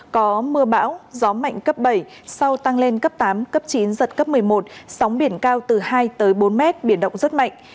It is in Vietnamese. có mưa bão gió mạnh cấp bảy sau tăng lên cấp tám cấp chín giật cấp một mươi một sóng biển cao từ hai bốn m biển động rất mạnh